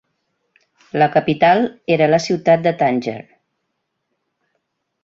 La capital era la ciutat de Tànger.